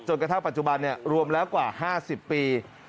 กระทั่งปัจจุบันรวมแล้วกว่า๕๐ปี